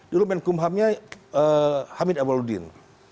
dulu menkumhamnya hamid awaludin